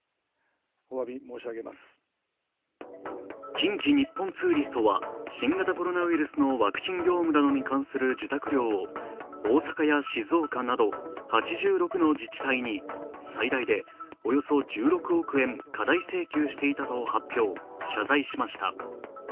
近畿日本ツーリストは新型コロナウイルスのワクチン業務などに関する受託料を大阪や静岡など８６の自治体に最大でおよそ１６億円過大請求していたと発表、謝罪しました。